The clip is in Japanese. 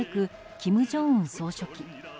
金正恩総書記。